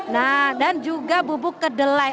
nah dan juga bubuk kedelai